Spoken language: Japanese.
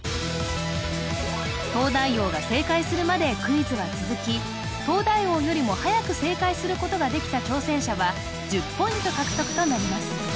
東大王が正解するまでクイズは続き東大王よりも早く正解することができた挑戦者は１０ポイント獲得となります